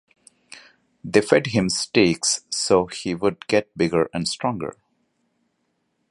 They fed him steaks so he would get bigger and stronger.